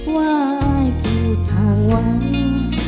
ว่าอายผู้ทางไว้